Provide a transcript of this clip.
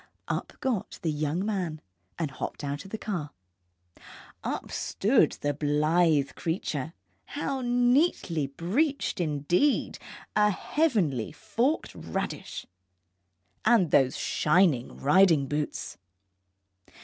Up got the young man, and hopped out of the car. Up stood the blithe creature how neatly breeched, indeed, a heavenly forked radish and those shining riding boots!